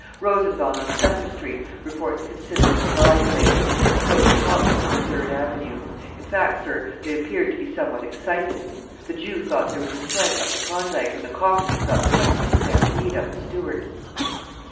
Rosenbaum on Second Street reports considerable buying lately, and so does Hobson on Third Avenue. In fact, sir, they appeared to be somewhat excited. The Jew thought there was a strike up the Klondike and the Cockney thought there must be a stampede up the Stewart."